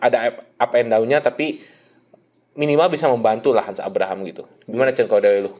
danny miller gak mau nembak